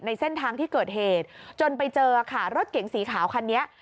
เส้นทางที่เกิดเหตุจนไปเจอค่ะรถเก๋งสีขาวคันนี้